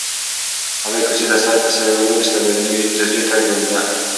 هغې کوڅې ته سر پسې وروایست او د زوی تګ یې لیده.